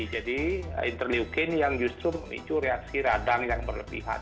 jadi interleukin yang justru memicu reaksi radang yang berlebihan